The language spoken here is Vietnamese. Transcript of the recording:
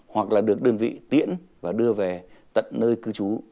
hoặc là được đơn vị tiễn và đưa về tận nơi cư trú